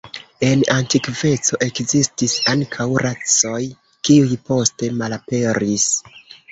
En antikveco ekzistis ankaŭ rasoj, kiuj poste malaperis.